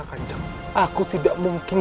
kanjar aku tidak mungkin